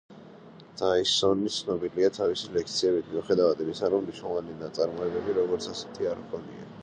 დაისონი ცნობილია თავისი ლექციებით, მიუხედავად იმისა, რომ მნიშვნელოვანი ნაწარმოები, როგორც ასეთი, არ ჰქონია.